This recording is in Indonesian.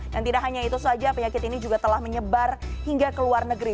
dan tidak hanya itu saja penyakit ini juga telah menyebar hingga ke luar negeri